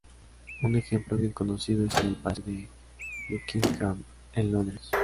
Un ejemplo bien conocido es en el Palacio de Buckingham en Londres.